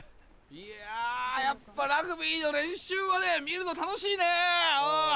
いやぁやっぱラグビーの練習はね見るの楽しいねうん。